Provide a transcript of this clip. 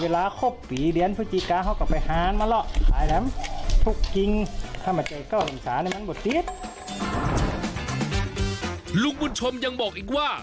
ลุงบุญชมยังบอกอีกว่า